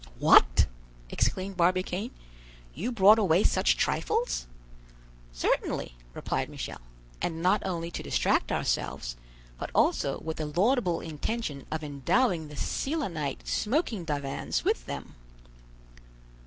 "What!" exclaimed Barbicane; "you brought away such trifles?" "Certainly," replied Michel, "and not only to distract ourselves, but also with the laudable intention of endowing the Selenite smoking divans with them."